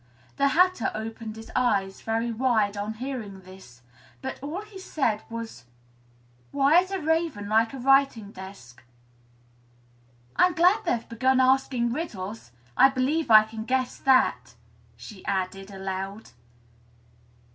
The Hatter opened his eyes very wide on hearing this, but all he said was "Why is a raven like a writing desk?" "I'm glad they've begun asking riddles I believe I can guess that," she added aloud.